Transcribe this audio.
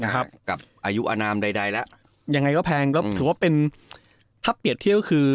ครับกับอายุอนามใดแล้วยังไงก็แพงถือว่าเป็นถ้าเปลี่ยนเที่ยวคือ